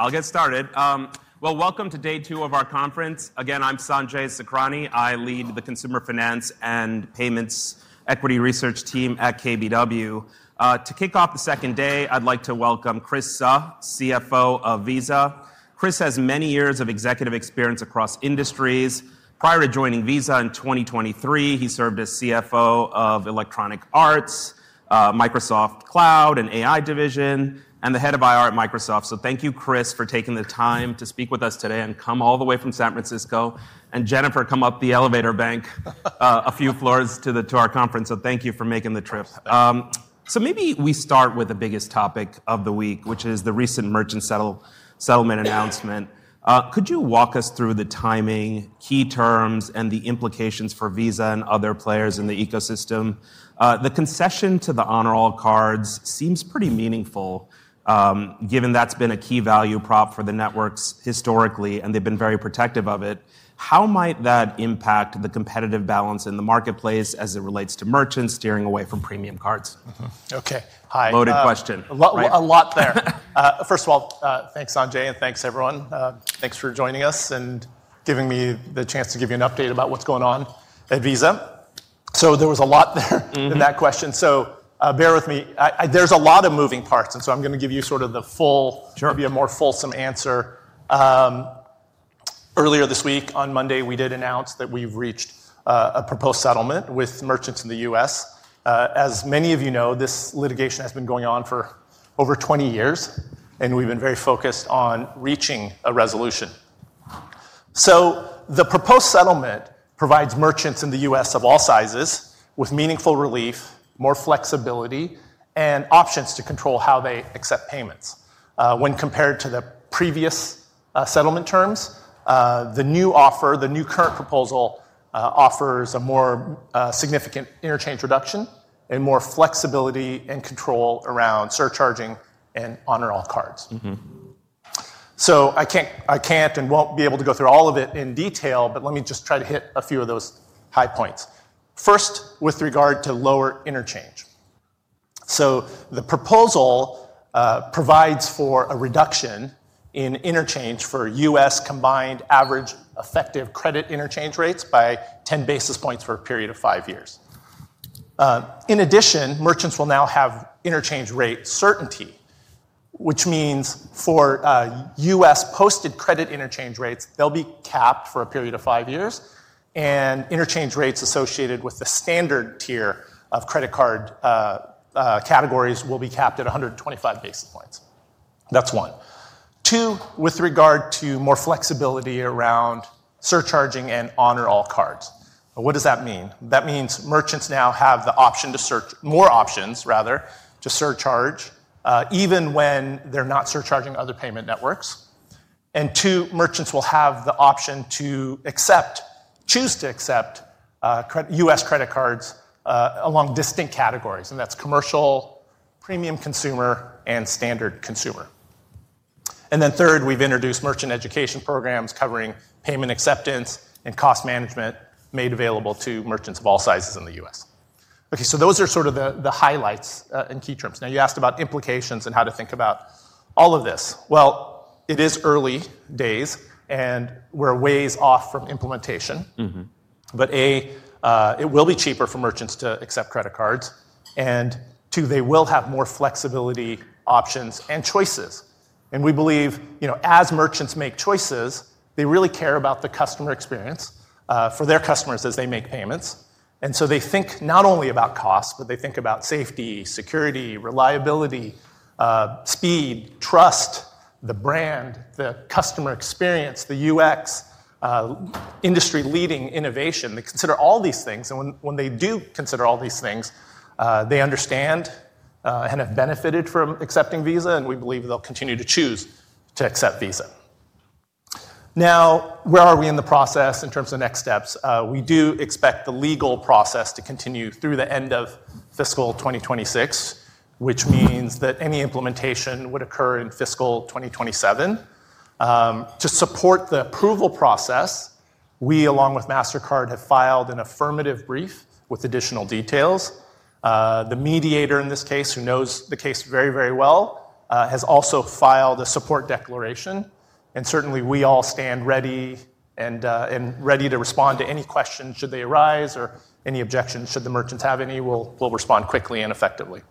I'll get started. Welcome to day two of our conference again. I'm Sanjay Sakhrani. I lead the consumer finance and payments equity research team at KBW. To kick off the second day, I'd like to welcome Chris Suh, CFO of Visa. Chris has many years of executive experience across industries. Prior to joining Visa in 2023, he served as CFO of Electronic Arts, Microsoft Cloud and AI Division, and the head of IR at Microsoft. Thank you, Chris, for taking the time to speak with us today and come all the way from San Francisco. And Jennifer, come up the elevator bank a few floors to our conference. Thank you for making the trip. Maybe we start with the biggest topic of the week, which is the recent merchant settlement announcement. Could you walk us through the timing, key terms, and the implications for Visa and other players in the ecosystem? The concession to the Honor All Cards seems pretty meaningful given that's been a key value prop for the networks historically, and they've been very protective of it. How might that impact the competitive balance in the marketplace as it relates to merchants steering away from premium cards? Okay, hi. Loaded question. A lot there. First of all, thanks Sanjay. And thanks everyone. Thanks for joining us and giving me the chance to give you an update about what's going on at Visa. There was a lot there in that question, so bear with me. There's a lot of moving parts and I'm going to give you sort of the full, more fulsome answer. Earlier this week, on Monday, we did announce that we've reached a proposed settlement with merchants in the U.S. As many of you know, this litigation has been going on for over 20 years and we've been very focused on reaching a resolution. The proposed settlement provides merchants in the U.S. of all sizes with meaningful relief, more flexibility and options to control how they accept payments when compared to the previous settlement terms. The new offer, the new current proposal offers a more significant interchange reduction and more flexibility and control around surcharging and Honor All Cards. I can't and won't be able to go through all of it in detail. Let me just try to hit a few of those high points. First, with regard to lower interchange, the proposal provides for a reduction in interchange for U.S. combined average effective credit interchange rates by 10 basis points for a period of five years. In addition, merchants will now have interchange rate certainty, which means for U.S. posted credit interchange rates, they'll be capped for a period of five years. Interchange rates associated with the standard tier of credit card categories will be capped at 125 basis points. That's one. Two, with regard to more flexibility around surcharging and Honor All Cards, what does that mean? That means merchants now have the option to search more options rather than to surcharge, even when they're not surcharging other payment networks. Two, merchants will have the option to accept, choose to accept, US credit cards along distinct categories, and that's commercial, premium consumer, and standard consumer. Third, we've introduced merchant education programs covering payment acceptance and cost management made available to merchants of all sizes in the U.S. Okay, so those are sort of the highlights and key terms. Now, you asked about implications and how to think about all of this. It is early days and we're a ways off from implementation. A, it will be cheaper for merchants to accept credit cards, and two, they will have more flexibility, options, and choices. We believe as merchants make choices, they really care about the customer experience for their customers as they make payments. They think not only about cost, but they think about safety, security, reliability, speed, trust, the brand, the customer experience, the UX, industry leading innovation. They consider all these things. When they do consider all these things, they understand and have benefited from accepting Visa, and we believe they'll continue to choose to accept Visa. Now, where are we in the process in terms of next steps? We do expect the legal process to continue through the end of fiscal 2026, which means that any implementation would occur in fiscal 2027. To support the approval process, we, along with Mastercard, have filed an affirmative brief with additional details. The mediator in this case, who knows the case very, very well, has also filed a support declaration. We all stand ready and ready to respond to any question should they arise or any objections, should the merchants have any. We'll respond quickly and effectively.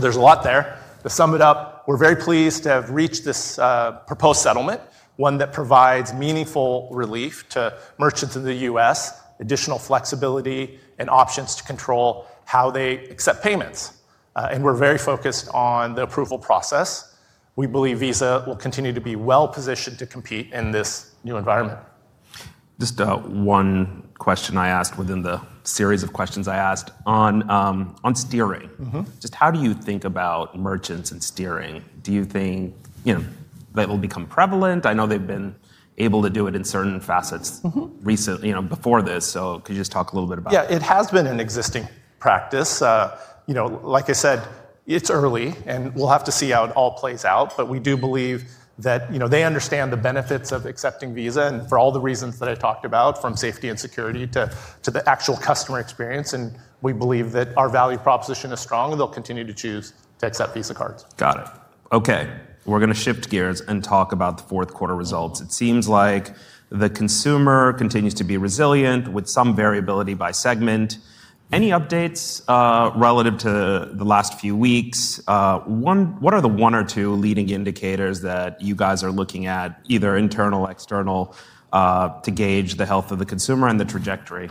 There is a lot there. To sum it up, we're very pleased to have reached this proposed settlement, one that provides meaningful relief to merchants in the U.S., additional flexibility and options to control how, how they accept payments. We are very focused on the approval process. We believe Visa will continue to be well positioned to compete in this new environment. Just one question I asked within the series of questions I asked on steering. Just how do you think about merchants and steering? Do you think that will become prevalent? I know they've been able to do it in certain facets before this, so could you just talk a little bit about it? Yeah, it has been an existing practice. You know, like I said, it's early and we'll have to see how it all plays out. You know, we do believe that, you know, they understand the benefits of accepting Visa and for all the reasons that I talked about, from safety and security to the actual customer experience. We believe that our value proposition is strong and they'll continue to choose to accept Visa cards. Got it. Okay, we're going to shift gears and talk about the fourth quarter results. It seems like the consumer continues to be resilient with some variability by segment. Any updates relative to the last few weeks? What are the one or two leading indicators that you guys are looking at? Either internal, external to gauge the health of the consumer and the trajectory?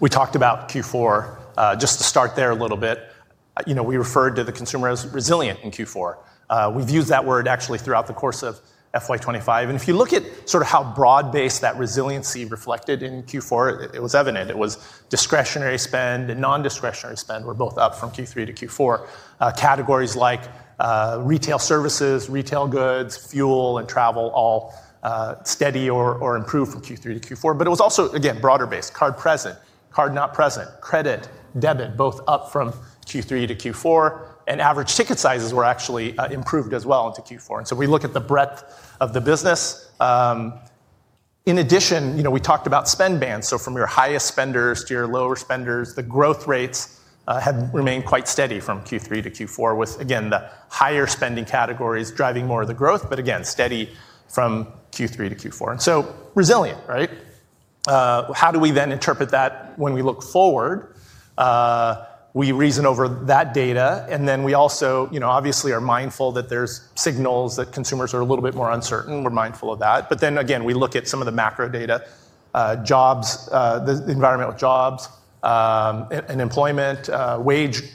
We talked about Q4 just to start there a little bit, we referred to the consumer as resilient in Q4. We've used that word actually throughout the course of FY 2025. If you look at how broad based that resiliency reflected in Q4, it was evident it was discretionary spend and non discretionary spend were both up from Q3 to Q4. Categories like retail services, retail goods, fuel and travel all steady or improved from Q3 to Q4. It was also again, broader based card, present card, not present, credit, debit, both up from Q3 to Q4. Average ticket sizes were actually improved as well into Q4. We look at the breadth of the business. In addition, we talked about spend bands. From your highest spenders to your lower spenders, the growth rates have remained quite steady from Q3 to Q4, with again the higher spending categories driving more of the growth, but again steady from Q3 to Q4. Resilient, how do we then interpret that? When we look forward, we reason over that data. We also obviously are mindful that there are signals that consumers are a little bit more uncertain. We're mindful of that. Then again, we look at some of the macro data, jobs, the environment with jobs and employment,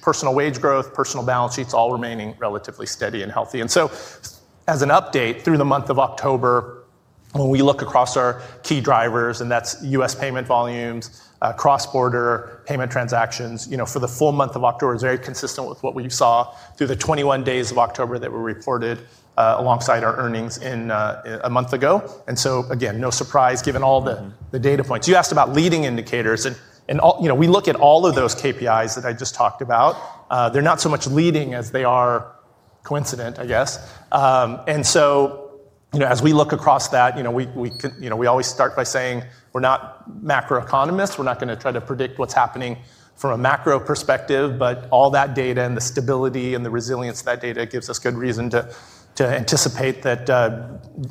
personal wage growth, personal balance sheets, all remaining relatively steady and healthy. As an update through the month of October, when we look across our key drivers and that's U.S. payment volumes, cross border payment transactions for the full month of October, it's very consistent with what we saw through the 21 days of October that were reported alongside our earnings a month ago. Again, no surprise given all the data points you asked about, leading indicators. We look at all of those KPIs that I just talked about, they're not so much leading as they are coincident, I guess. As we look across that, we always start by saying we're not macroeconomists, we're not going to try to predict what's happening from a macro perspective. All that data and the stability and the resilience of that data gives us good reason to anticipate that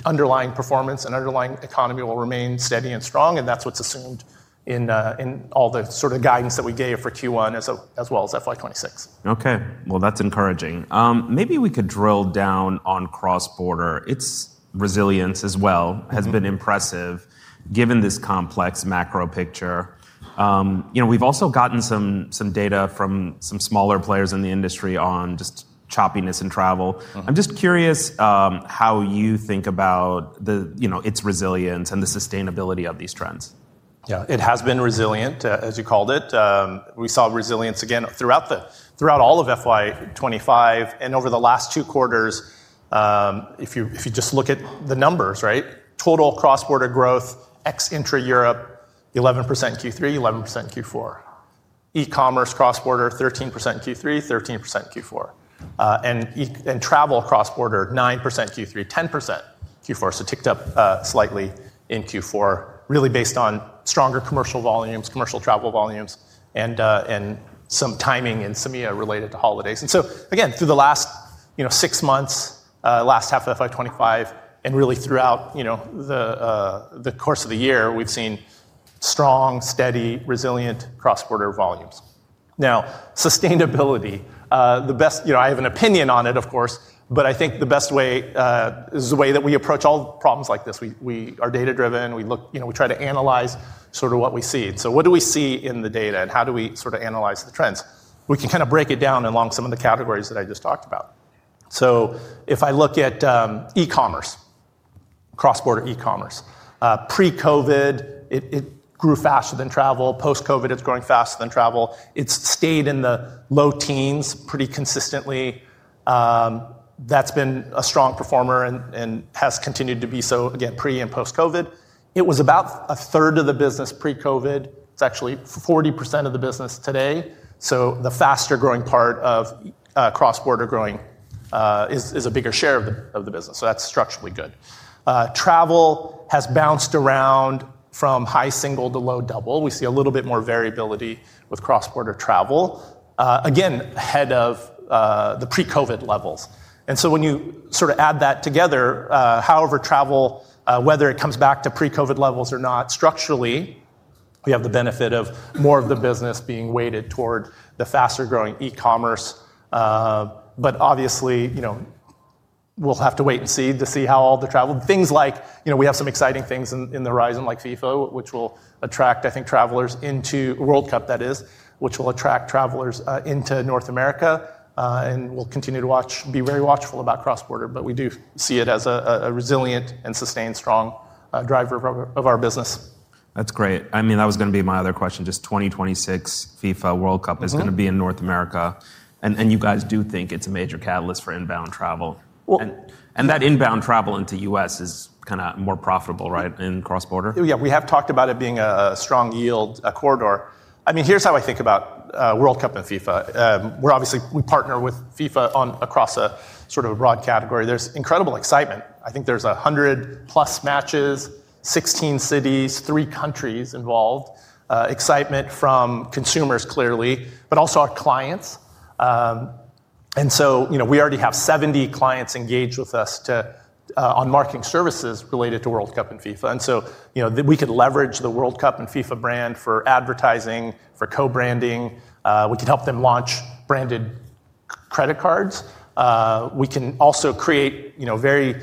underlying performance and underlying economy will remain steady and strong. That is what is assumed in all the sort of guidance that we gave for Q1 as well as FY 2026. Okay, that is encouraging. Maybe we could drill down on cross-border. Its resilience as well has been impressive given this complex macro picture. We have also gotten some data from some smaller players in the industry on just choppiness in travel. I am just curious how you think about its resilience and the sustainability of these trends. Yeah, it has been resilient as you called it. We saw resilience again throughout all of FY 2025 and over the last two quarters. If you just look at the numbers, total cross border growth ex intra Europe 11% Q3, 11% Q4, e-commerce cross border 13% Q3, 13% Q4, and travel cross border 9% Q3, 10% Q4. Ticked up slightly in Q4 really based on stronger commercial volumes, commercial travel volumes, and some timing in SEMEA related to holidays. Again, through the last six months, last half of FY 2025, and really throughout the course of the year, we've seen strong, steady, resilient cross border volumes. Now, sustainability, I have an opinion on it of course, but I think the best way is the way that we approach all problems like this. We are data driven. We look, you know, we try to analyze sort of what we see. So what do we see in the data and how do we sort of analyze the trends? We can kind of break it down along some of the categories that I just talked about. If I look at E-Commerce, cross border, E-Commerce pre-Covid it grew faster than travel. Post-Covid it's growing faster than travel. It's stayed in the low teens pretty consistently. That's been a strong performer and has continued to be so again, pre and post-Covid it was about a third of the business pre-Covid, it's actually 40% of the business today. The faster growing part of cross border growing is a bigger share of the business. That's structurally good. Travel has bounced around from high single to low double. We see a little bit more variability with cross-border travel again ahead of the pre-Covid levels. When you sort of add that together, however, travel, whether it comes back to pre-Covid levels or not, structurally we have the benefit of more of the business being weighted toward the faster growing e-commerce. Obviously, we'll have to wait and see to see how all the travel things, like we have some exciting things on the horizon like FIFA, which will attract, I think, travelers into World Cup, that is, which will attract travelers into North America. We'll continue to watch, be very watchful about cross-border, but we do see it as a resilient and sustained strong driver of our business. That's great. I mean that was going to be my other question. Just 2026 FIFA World Cup is going to be in North America. You guys do think it's a major catalyst for inbound travel and that inbound travel into the U.S. is kind of more profitable, right, in cross-border. Yeah, we have talked about it being a strong yield corridor. I mean here's how I think about World Cup and FIFA. We obviously partner with FIFA across a sort of broad category. There's incredible excitement. I think there's 100+ matches, 16 cities, three countries involved. Excitement from consumers clearly, but also our clients. You know, we already have 70 clients engaged with us on marketing services related to World Cup and FIFA. We could leverage the World Cup and FIFA brand for advertising, for co-branding. We could help them launch branded credit cards. We can also create very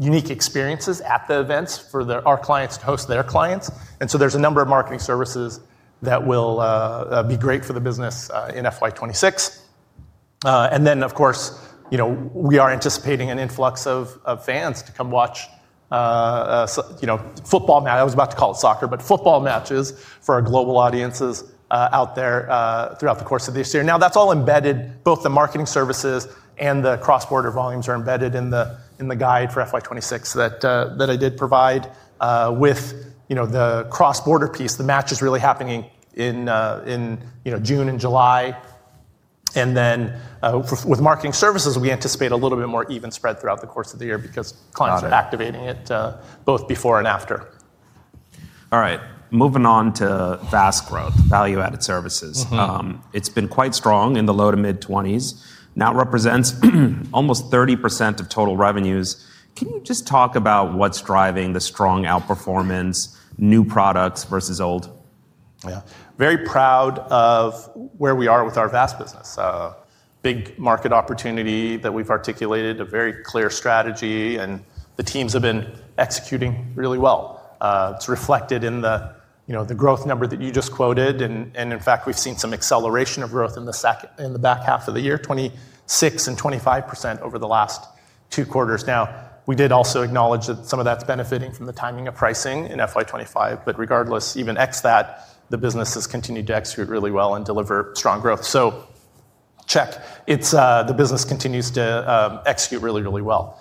unique experiences at the events for our clients to host their clients. There's a number of marketing services that will be great for the business in FY 2026. Of course we are anticipating an influx of fans to come watch football match. I was about to call it soccer but football matches for our global audiences out there throughout the course of this year. Now that's all embedded. Both the marketing services and the cross border volumes are embedded in the guide for FY 2026 that I did provide with the cross border piece. The match is really happening in June and July and then with marketing services we anticipate a little bit more even spread throughout the course of the year because clients are activating it both before and after. All right, moving on to fast growth. Value added services. It's been quite strong in the low to mid 20s. Now represents almost 30% of total revenues. Can you just talk about what's driving the strong outperformance? New products versus old. Yeah, very proud of where we are with our VAS business, big market opportunity that we've articulated a very clear strategy and the teams have been executing really well. It's reflected in the, you know, the growth number that you just quoted. In fact we've seen some acceleration of growth in the second, in the back half of the year, 26% and 25% over the last two quarters. Now we did also acknowledge that some of that's benefiting from the timing of pricing in FY 2025. Regardless, even x that, the business has continued to execute really well and deliver strong growth. The business continues to execute really, really well.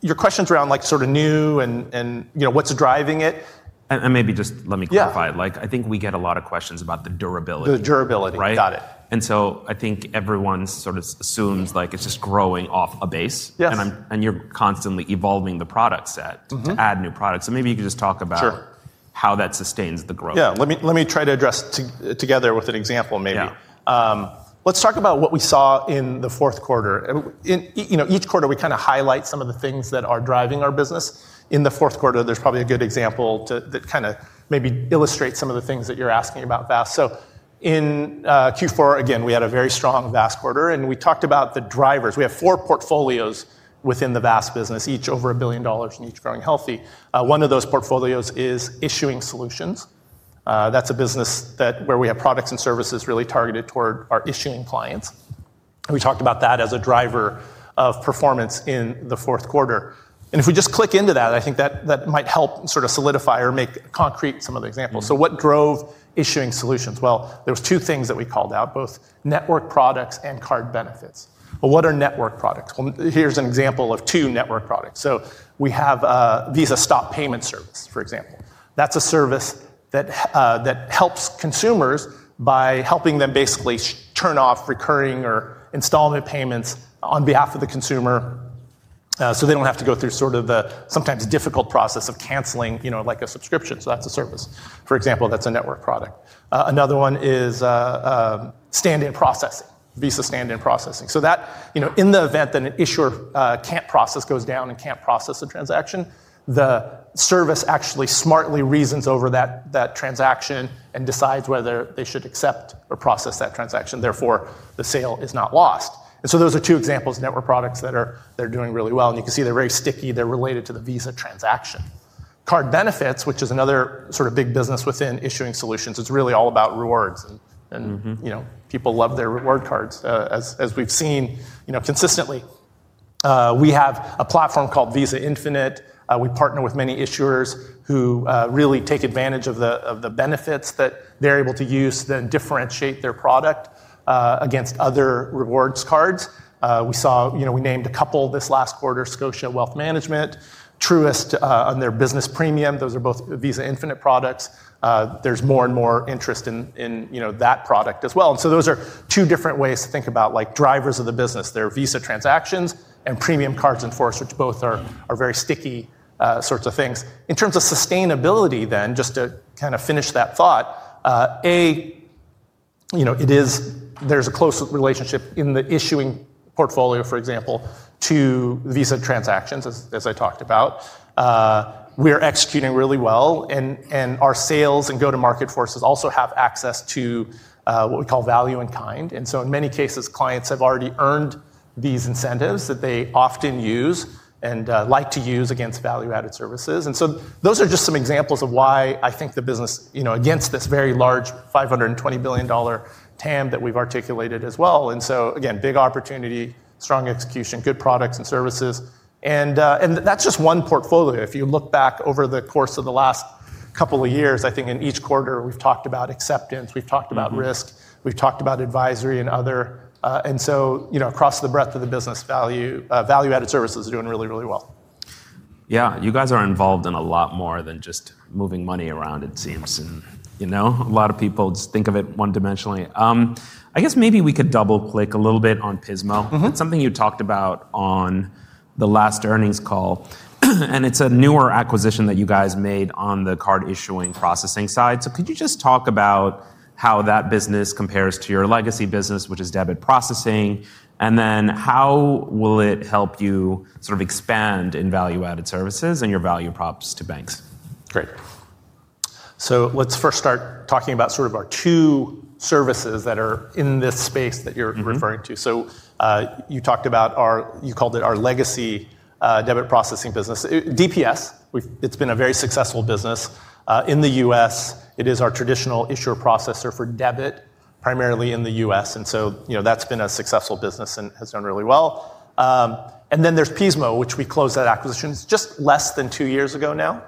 Your questions around like sort of new and what's driving it. Maybe just let me clarify. I think we get a lot of questions about the durability. The durability. Got it. I think everyone sort of assumes like it's just growing off a base and you're constantly evolving to add new products. Maybe you could just talk about how that sustains the growth. Yeah, let me try to address together with an example. Maybe let's talk about what we saw in the fourth quarter. Each quarter we kind of highlight some of the things that are driving our business. In the fourth quarter, there's probably a good example that kind of maybe illustrates some of the things that you're asking about VAS. In Q4 again, we had a very strong VAS quarter and we talked about the drivers. We have four portfolios within the VAS business, each over $1 billion and each growing healthy. One of those portfolios is issuing solutions. That's a business where we have products and services really targeted toward our issuing clients. We talked about that as a driver of performance in the fourth quarter. If we just click into that, I think that might help sort of solidify or make concrete some of the examples. What drove issuing solutions? There were two things that we called out, both network products and card benefits. What are network products? Here's an example of two network products. We have Visa Stop Payment service, for example. That is a service that helps consumers by helping them basically turn off recurring or installment payments on behalf of the consumer so they do not have to go through sort of the sometimes difficult process of canceling like a subscription. That is a service, for example, that is a network product. Another one is stand in processing. Visa Stand-in Processing so that in the event that an issuer can't process, goes down and can't process a transaction, the service actually smartly reasons over that transaction and decides whether they should accept or process that transaction. Therefore the sale is not lost. Those are two examples, network products that are doing really well. You can see they're very sticky. They're related to the Visa transaction card benefits, which is another sort of big business within issuing solutions. It's really all about rewards. People love their reward cards, as we've seen consistently. We have a platform called Visa Infinite. We partner with many issuers who really take advantage of the benefits that they're able to use, then differentiate their product against other rewards cards. We named a couple this last quarter, Scotia Wealth Management, Truist, on their business Premium. Those are both Visa Infinite products. There is more and more interest in that product as well. Those are two different ways to think about drivers of the business. There are Visa transactions and premium cards in force, which both are very sticky sorts of things in terms of sustainability. Just to kind of finish that thought, there is a close relationship in the issuing portfolio, for example, to Visa transactions. As I talked about, we are executing really well and our sales and go-to-market forces also have access to what we call value in kind. In many cases, clients have already earned these incentives that they often use and like to use against value added services. Those are just some examples of why I think the business against this very large $520 billion TAM that we have articulated as well. Again, big opportunity, strong execution, good products and services. That is just one portfolio. If you look back over the course of the last couple of years, I think in each quarter we have talked about acceptance, we have talked about risk, we have talked about advisory and other. Across the breadth of the business, value added services are doing really, really well. Yeah, you guys are involved in a lot more than just moving money around, it seems. And you know, a lot of people just think of it one dimensionally. I guess maybe we could double click a little bit on Pismo. It's something you talked about on the last earnings call and it's a newer acquisition that you guys made on the card issuing processing side. So could you just talk about how that business compares to your legacy business, which is debit processing, and then how will it help you sort of expand in value added services and your value props to banks. Great. Let's first start talking about sort of our two services that are in this space that you're referring to. You talked about our, you called it our legacy debit processing business, DPS. It's been a very successful business in the U.S. It is our traditional issuer processor for debit, primarily in the U.S., and, you know, that's been a successful business and has done really well. Then there's Pismo, which we closed that acquisition just less than two years ago now.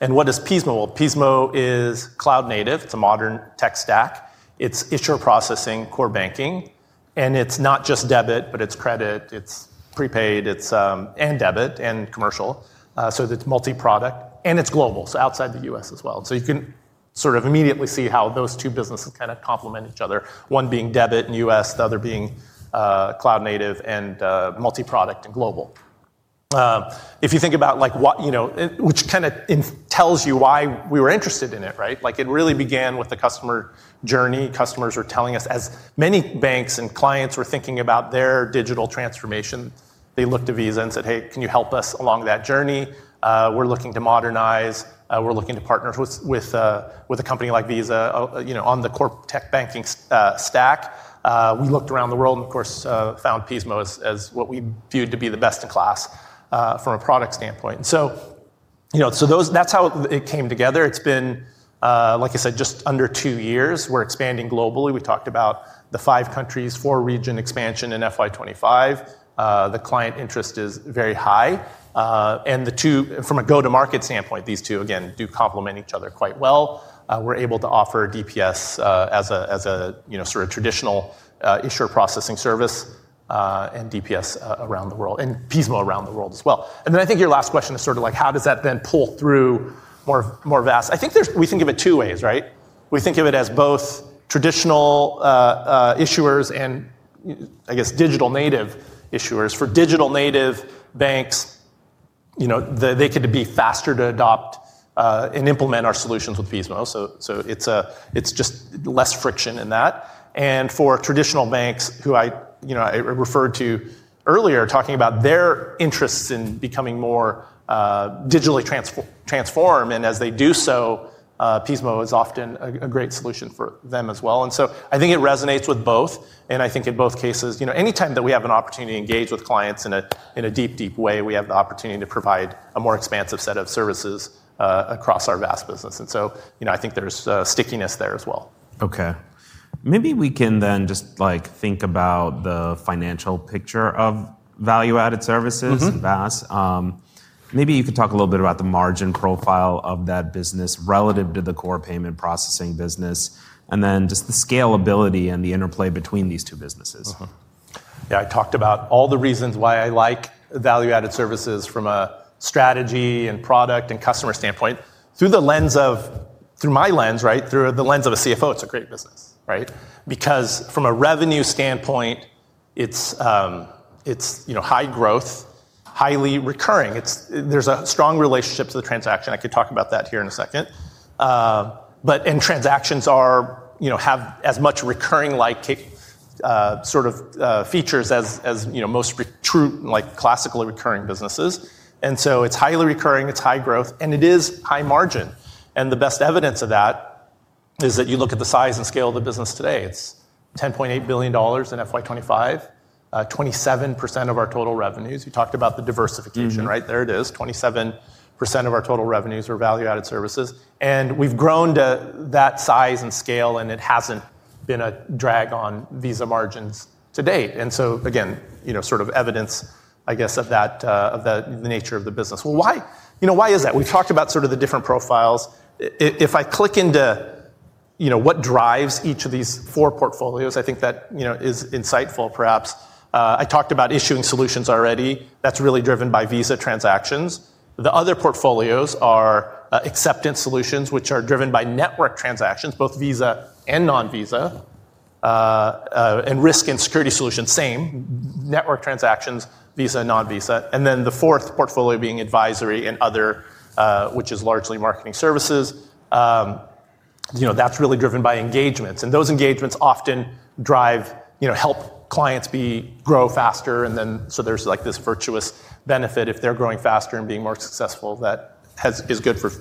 What is Pismo? Pismo is cloud native. It's a modern tech stack. It's issuer processing, core banking, and it's not just debit, but it's credit, it's prepaid and debit, and commercial. It's multi product and it's global, so outside the U.S. as well. You can sort of immediately see how those two businesses kind of complement each other, one being debit and us, the other being cloud native and multi product and global. If you think about like what you know, which kind of tells you why we were interested in it, right? Like it really began with the customer journey. Customers were telling us as many banks and clients were thinking about their digital transformation, they looked at Visa and said, hey, can you help us along that journey? We're looking to modernize, we're looking to partner with a company like Visa, you know, on the core tech banking stack. We looked around the world and of course found Pismo as what we viewed to be the best in class from a product standpoint. That's how it came together. It's been, like I said, just under two years. We're expanding globally. We talked about the five countries, four region expansion in FY 2025. The client interest is very high. The two from a go to market standpoint, these two again do complement each other quite well. We are able to offer DPS as a sort of traditional issuer processing service and DPS around the world and Pismo around the world as well. I think your last question is sort of like how does that then pull through more VAS. I think we think of it two ways, right? We think of it as both traditional issuers and I guess digital native issuers. For digital native banks, they could be faster to adopt and implement our solutions with Pismo. It is just less friction in that. For traditional banks who I referred to earlier talking about their interests in becoming more digitally transformed and as they do so, Pismo is often a great solution for them as well. I think it resonates with both. I think in both cases, anytime that we have an opportunity to engage with clients in a, in a deep, deep way, we have the opportunity to provide a more expansive set of services across our VAS business. I think there's stickiness there as well. Okay, maybe we can then just think about the financial picture of value added services and VAS, maybe you could talk a little bit about the margin profile of that business relative to the core payment processing business and then just the scalability and the interplay between these two businesses. Yeah, I talked about all the reasons why I like value added services from a strategy and product and customer standpoint through the lens of, through my lens, right, through the lens of a CFO. It's a great business because from a revenue standpoint, it's high growth, highly recurring. There's a strong relationship to the transaction. I could talk about that here in a second. Transactions have as much recurring like sort of features as most true, like classically recurring businesses. It is highly recurring, it's high growth, and it is high margin. The best evidence of that is that you look at the size and scale of the business today. It's $10.8 billion in FY 2025, 27% of our total revenues. You talked about the diversification right there. It is 27% of our total revenues are value added services. We have grown to that size and scale. It has not been a drag on Visa margins to date. Again, sort of evidence, I guess, of the nature of the business. Why is that? We have talked about sort of the different profiles. If I click into what drives each of these four portfolios, I think that is insightful, perhaps. I talked about issuing solutions already. That is really driven by Visa transactions. The other portfolios are acceptance solutions, which are driven by network transactions, both Visa and non-Visa, and risk and security solutions, same network transactions, Visa and non-Visa. The fourth portfolio is advisory and other, which is largely marketing services. That is really driven by engagements. Those engagements often help clients grow faster. There is this virtuous benefit if they are growing faster and being more successful. That is good for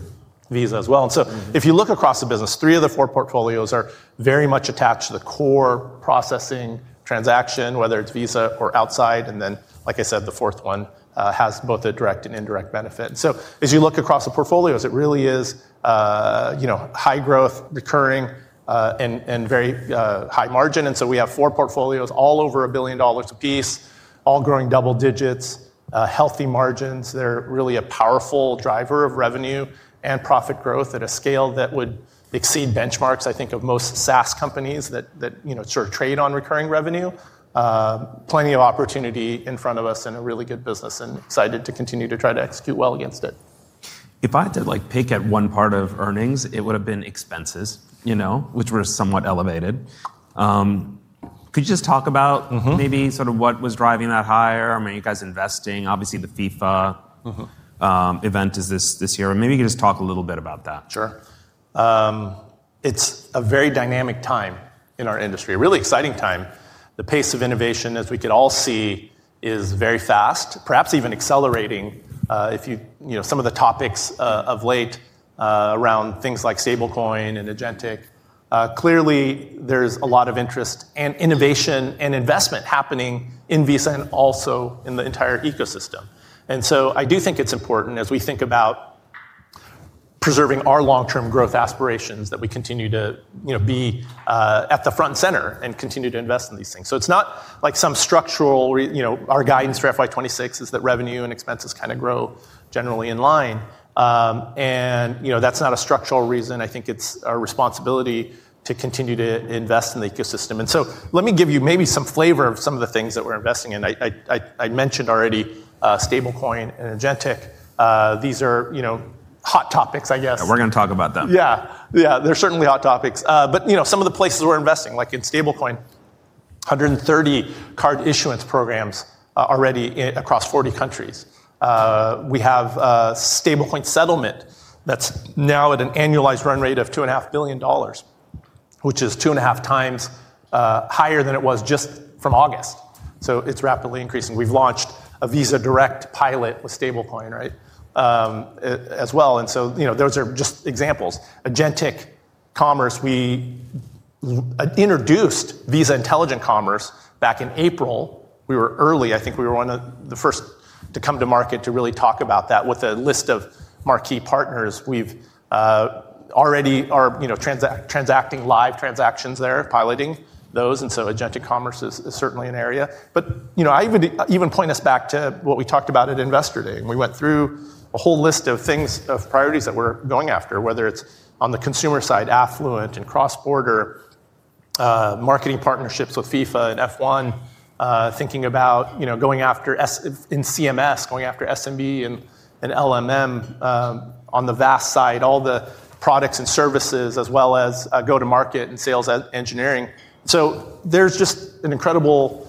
Visa as well. If you look across the business, three of the four portfolios are very much attached to the core processing transaction, whether it is Visa or outside. Like I said, the fourth one has both a direct and indirect benefit. As you look across the portfolios, it really is, you know, high growth, recurring and very high margin. We have four portfolios all over $1 billion apiece, all growing double digits, healthy margins. They are really a powerful driver of revenue and profit growth at a scale that would exceed benchmarks, I think, of most SaaS companies that trade on recurring revenue, plenty of opportunity in front of us and a really good business. Excited to continue to try to execute well against it. If I had to pick at one part of earnings, it would have been expenses, which were somewhat elevated. Could you just talk about maybe sort of what was driving that higher? I mean, you guys investing, obviously the FIFA event is this year, or maybe you could just talk a little bit about that. Sure. It's a very dynamic time in our industry, a really exciting time. The pace of innovation as we could all see is very fast, perhaps even accelerating. Some of the topics of late around things like Stablecoin and Agentic. Clearly there's a lot of interest and innovation and investment happening in Visa and also in the entire ecosystem. I do think it's important as we think about preserving our long term growth aspirations that we continue to be at the front center and continue to invest in these things. It's not like some structural. Our guidance for FY 2026 is that revenue and expenses kind of grow generally in line. That's not a structural reason. I think it's our responsibility to continue to invest in the ecosystem. Let me give you maybe some flavor of some of the things that we're investing in. I mentioned already Stablecoin and Agentic, these are hot topics. I guess we're going to talk about them. Yeah, they're certainly hot topics. Some of the places we're investing, like in Stablecoin, 130 card issuance programs already across 40 countries. We have Stablecoin settlement that's now at an annualized run rate of $2.5 billion, which is two and a half times higher than it was just from August. It is rapidly increasing. We've launched a Visa Direct pilot with Stablecoin as well. Those are just examples. Agentic Commerce, we introduced Visa Intelligent Commerce back in April. We were early, I think we were one of the first to come to market to really talk about that, with a list of marquee partners. We've already are transacting live transactions there, piloting those. Agentic Commerce is certainly an area. I even point us back to what we talked about at Investor Day and we went through a whole list of things of priorities that we're going after. Whether it's on the consumer side, affluent and cross border marketing partnerships with FIFA and F1, thinking about going after in CMS, going after SMB and LMM on the VAS side, all the products and services as well as go to market and sales engineering. There is just an incredible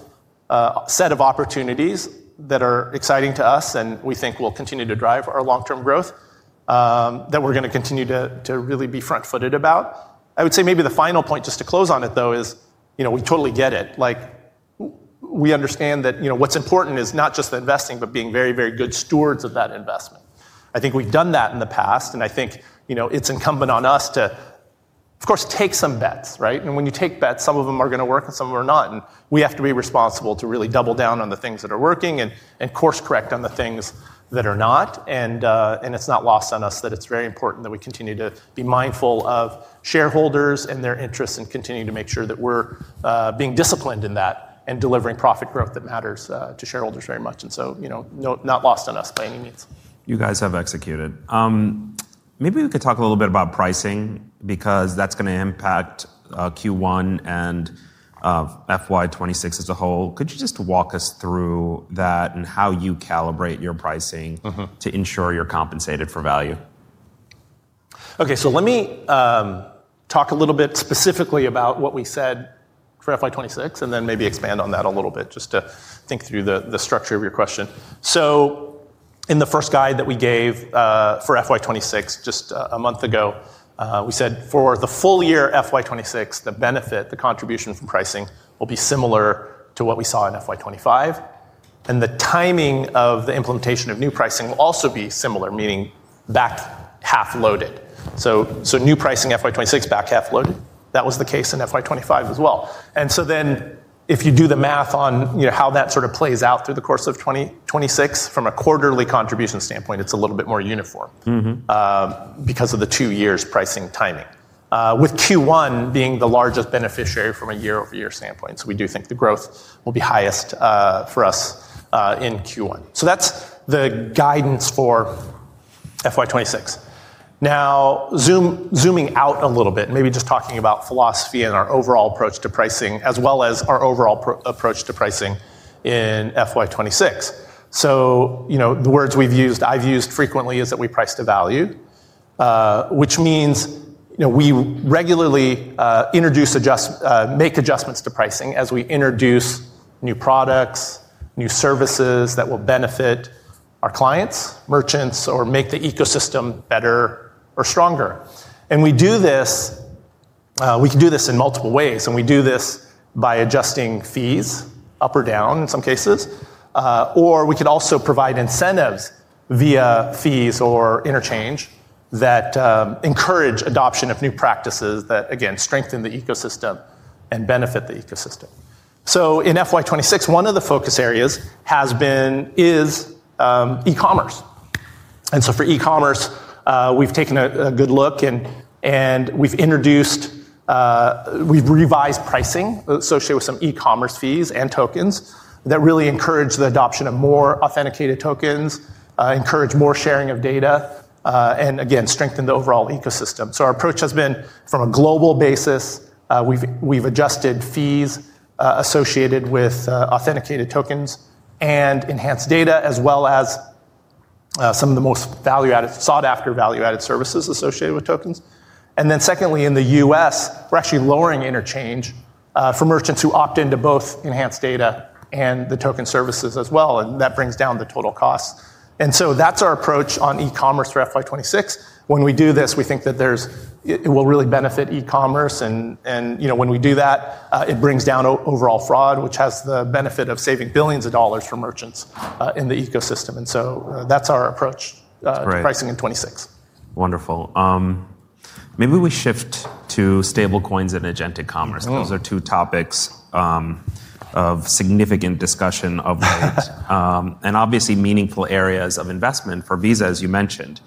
set of opportunities that are exciting to us. We think will continue to drive our long term growth that we're going to continue to really be front footed about. I would say maybe the final point just to close on it though, is we totally get it. We understand that what's important is not just the investing, but being very, very good stewards of that investment. I think we've done that in the past and I think it's incumbent on us to of course take some bets. When you take bets, some of them are going to work and some of them are not. We have to be responsible to really double down on the things that are working and course correct on the things that are not. It is not lost on us that it's very important that we continue to be mindful of shareholders and their interests and continue to make sure that we're being disciplined in that and delivering profit growth that matters to shareholders very much. It is not lost on us by any means. You guys have executed. Maybe we could talk a little bit about pricing because that's going to impact Q1 and FY 2026 as a whole. Could you just walk us through that and how you calibrate your pricing to ensure you're compensated for value? Okay, so let me talk a little bit specifically about what we said for FY 2026 and then maybe expand on that a little bit just to think through the structure of your question. In the first guide that we gave for FY 2026 just a month ago, we said for the full year FY 2026, the benefit, the contribution from pricing will be similar to what we saw in FY 2025. The timing of the implementation of new pricing will also be similar, meaning back half loaded. New pricing, FY 2026 back half loaded. That was the case in FY 2025 as well. If you do the math on how that sort of plays out through the course of 2026, from a quarterly contribution standpoint, it is a little bit more uniform because of the two years pricing timing with Q1 being the largest beneficiary from a year over year standpoint. We do think the growth will be highest for us in Q1. That is the guidance for FY 2026. Now zooming out a little bit, maybe just talking about philosophy and our overall approach to pricing as well as our overall approach to pricing in FY 2026. You know, the words we have used, I have used frequently, is that we price to value, which means we regularly introduce, adjust, make adjustments to pricing as we introduce new products, new services that will benefit our clients, merchants, or make the ecosystem better or stronger. We do this, we can do this in multiple ways and we do this by adjusting fees up or down in some cases. We could also provide incentives via fees or interchange that encourage adoption of new practices that again strengthen the ecosystem and benefit the ecosystem. In fiscal year 2026 one of the focus areas has been E-commerce. For E-commerce we have taken a good look and we have introduced, we have revised pricing associated with some E-commerce fees and tokens that really encourage the adoption of more authenticated tokens, encourage more sharing of data and again strengthen the overall ecosystem. Our approach has been from a global basis, we have adjusted fees associated with authenticated tokens and enhanced data as well as some of the most value added, sought after value added services associated with tokens. Secondly, in the U.S. we are actually lowering interchange for merchants who opt into both enhanced data and the token services as well. That brings down the total cost. That is our approach on e-commerce for fiscal year 2026. When we do this, we think that it will really benefit e-commerce and when we do that, it brings down overall fraud, which has the benefit of saving billions of dollars for merchants in the ecosystem. That is our approach to pricing in 2026. Wonderful. Maybe we shift to Stablecoins and Agentic Commerce. Those are two topics of significant discussion and obviously meaningful areas of investment for Visa as you mentioned.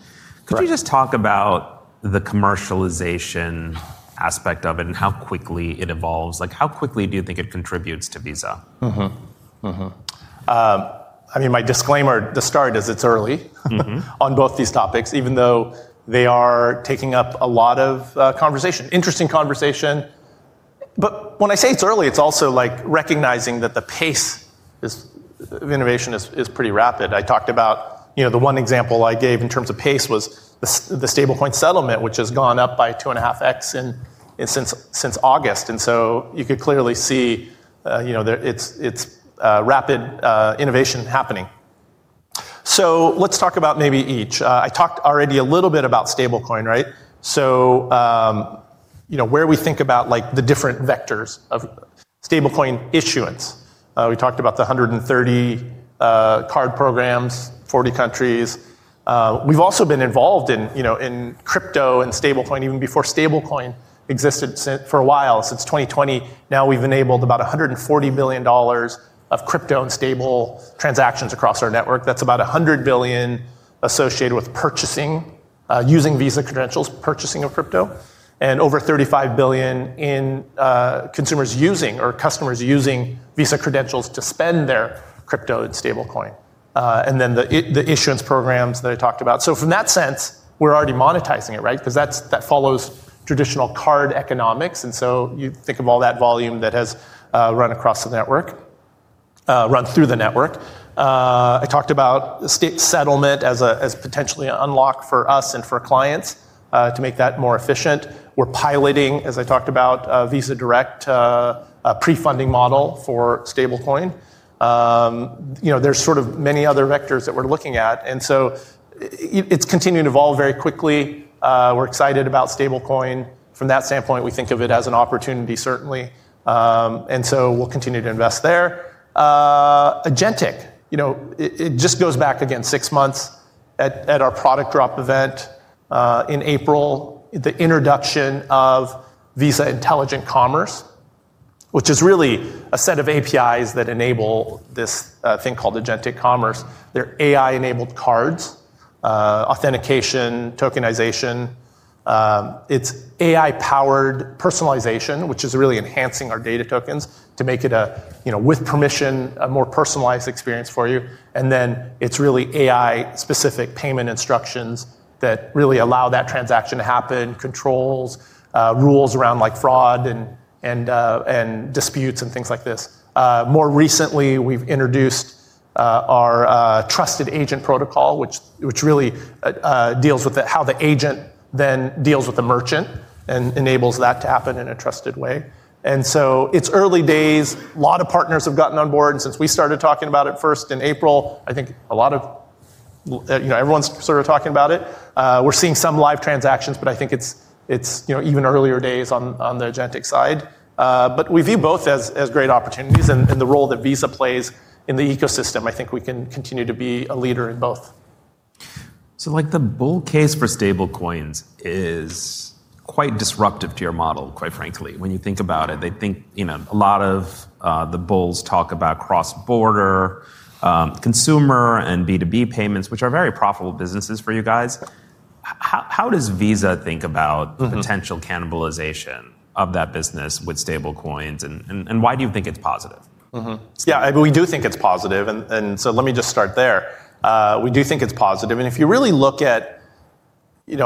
Could you just talk about the commercialization aspect of it and how quickly it evolves, how quickly do you think it contributes to Visa? My disclaimer, the start is it's early on both these topics, even though they are taking up a lot of conversation, interesting conversation. When I say it's early, it's also recognizing that the pace of innovation is pretty rapid. I talked about, the one example I gave in terms of pace was the Stablecoin settlement which has gone up by 2.5x since August. You could clearly see it's rapid innovation happening. Let's talk about maybe each. I talked already a little bit about Stablecoin. Right? Where we think about the different vectors of Stablecoin issuance, we talked about the 130 card programs, 40 countries. We've also been involved in crypto and Stablecoin even before Stablecoin existed for a while. Since 2020 now we've enabled about $140 billion of crypto and stable transactions across our network. That's about $100 billion associated with purchasing, using Visa credentials, purchasing of crypto, and over $35 billion in consumers using or customers using Visa credentials to spend their crypto and Stablecoin, and then the issuance programs that I talked about. From that sense we're already monetizing it, right? Because that follows traditional card economics. You think of all that volume that has run across the network, run through the network. I talked about state settlement as potentially an unlock for us and for clients to make that more efficient. We're piloting, as I talked about, Visa Direct pre-funding model for Stablecoin. You know, there's sort of many other vectors that we're looking at, and it's continuing to evolve very quickly. We're excited about Stablecoin from that standpoint. We think of it as an opportunity certainly and so we'll continue to invest there. Agentic, you know, it just goes back again six months. At our product drop event in April, the introduction of Visa Intelligent Commerce, which is really a set of APIs that enable this thing called Agentic Commerce. They're AI enabled cards authentication, tokenization. It's AI powered personalization, which is really enhancing our data tokens to make it, with permission, a more personalized experience for you. And then it's really AI specific payment instructions that really allow that transaction to happen, controls, rules around like fraud and disputes and things like this. More recently we've introduced our trusted agent protocol, which really deals with how the agent then deals with the merchant and enables that to happen in a trusted way. It is early days, a lot of partners have gotten on board and since we started talking about it first in April, I think a lot of, you know, everyone's sort of talking about it. We're seeing some live transactions but I think it's even earlier days on the agentic side. We view both as great opportunities and the role that Visa plays in the ecosystem. I think we can continue to be a leader in both. Like the bull case for Stablecoins is quite disruptive to your model, quite frankly, when you think about it. They think a lot of the bulls talk about cross-border consumer and B2B payments, which are very profitable businesses for you guys. How does Visa think about potential cannibalization of that business with Stablecoins, and why do you think it is positive? Yeah, we do think it's positive. Let me just start there. We do think it's positive and if you really look at, we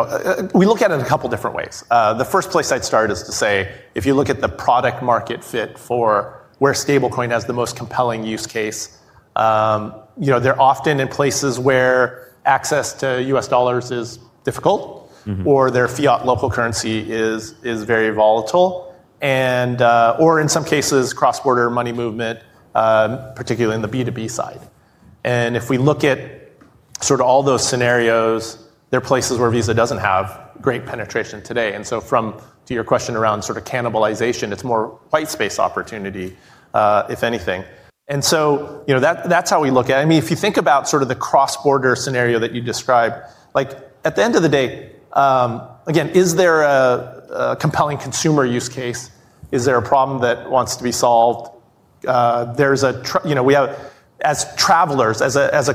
look at it a couple different ways. The first place I'd start is to say if you look at the product market fit for where Stablecoin has the most compelling use case, they're often in places where access to U.S. dollars is difficult, or their fiat local currency is very volatile, or in some cases cross border money movement, particularly in the B2B side. If we look at all those scenarios, there are places where Visa doesn't have great penetration today. From your question around sort of cannibalization, it's more white space opportunity if anything. That's how we look at it. I mean if you think about sort of the cross-border scenario that you described, like at the end of the day, again, is there a compelling consumer use case? Is there a problem that wants to be solved as travelers, as a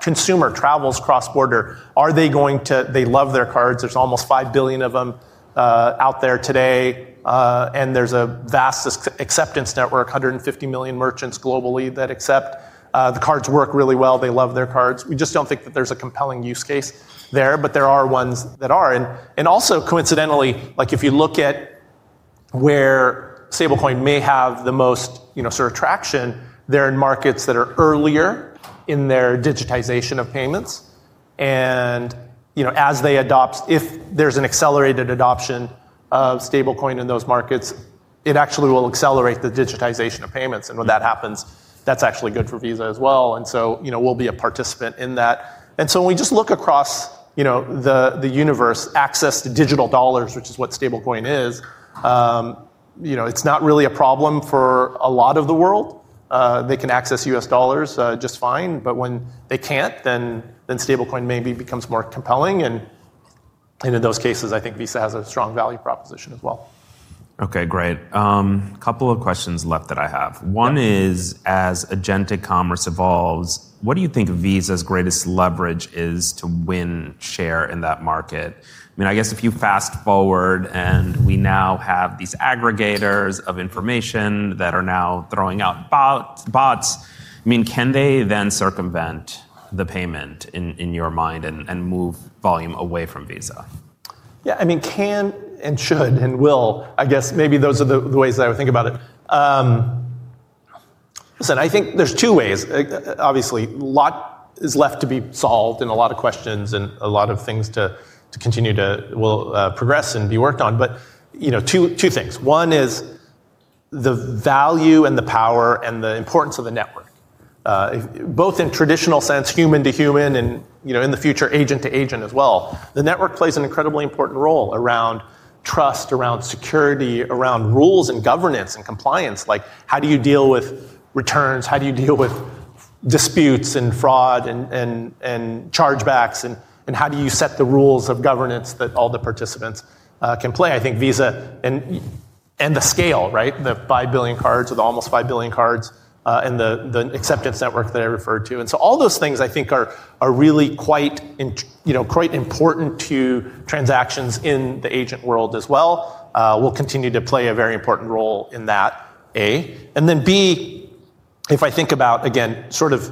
consumer travels cross-border, are they going to. They love their cards. There are almost 5 billion of them out there today. And there is a vast acceptance network, 150 million merchants globally that accept the cards work really well. They love their cards. We just do not think that there is a compelling use case there. There are ones that are. Also, coincidentally, like if you look at where Stablecoin may have the most sort of traction, they are in markets that are earlier in their digitization of payments. As they adopt, if there's an accelerated adoption of Stablecoin in those markets, it actually will accelerate the digitization of payments. When that happens, that's actually good for Visa as well. We will be a participant in that. When we just look across the universe, access to digital dollars, which is what Stablecoin is, it's not really a problem for a lot of the world. They can access U.S. dollars just fine, but when they can't, then Stablecoin maybe becomes more compelling. In those cases, I think Visa has a strong value proposition as well. Okay, great. Couple of questions left that I have. One is as Agentic Commerce evolves, what do you think Visa's greatest leverage is to win share in that market? I guess if you fast forward and we now have these aggregators of information that are now throwing out bots, bots, I mean, can they then circumvent the payment in your mind and move volume away from Visa? Yeah, I mean can and should and will. I guess maybe those are the ways that I would think about it. Listen, I think there's two ways. Obviously a lot is left to be solved and a lot of questions and a lot of things to continue to progress and be worked on. Two things. One is the value and the power and the importance of the network, both in traditional sense, human to human, and in the future, agent to agent as well. The network plays an incredibly important role around trust, around security, around rules and governance and compliance. Like, how do you deal with returns, how do you deal with disputes and fraud and chargebacks, and how do you set the rules of governance that all the participants can play? I think Visa and the scale. Right. The 5 billion cards or the almost 5 billion cards, and the acceptance network that I referred to. All those things, I think, are really quite important to transactions in the agent world as well. We will continue to play a very important role in that. A, and then B, if I think about, again, sort of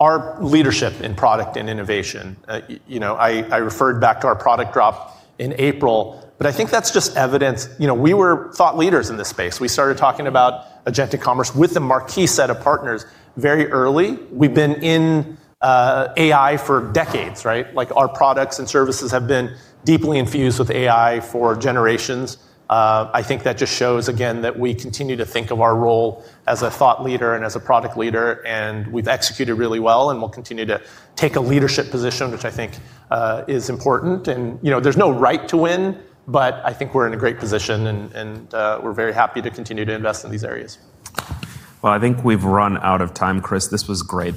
our leadership in product and innovation, I referred back to our product drop in April, but I think that is just evidence. You know, we were thought leaders in this space. We started talking about Agentic Commerce with a marquee set of partners very early. We have been in AI for decades. Right. Like, our products and services have been deeply infused with AI for generations. I think that just shows, again, that we continue to think of our role as a thought leader and as a product leader, and we have executed really well. We will continue to take a leadership position, which I think is important, and, you know, there is no right to win. I think we are in a great position and we are very happy to continue to invest in these areas. I think we've run out of time. Chris, this was great. Thank you.